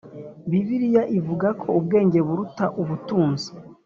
Bibiliya ivuga ko ubwenge buruta ubutunzi.